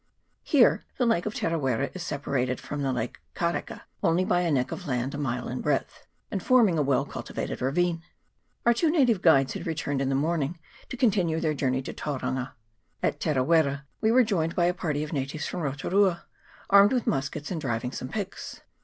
Here the lake of Tera wera is sepa rated from the lake Kareka only by a neck of land a mile in breadth, and forming a well cultivated ravine. Our two native guides had returned in the morning, to continue their journey to Turanga. At Tera wera we were joined by a party of natives from Rotu rua, armed with muskets, and driving some pigs.